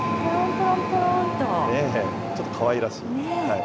ちょっとかわいらしい。